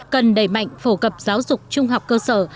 cần đẩy mạnh phổ cập giáo dục trung học cơ sở